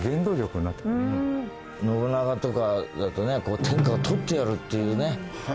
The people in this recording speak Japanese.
信長とかだとね天下を取ってやるっていうね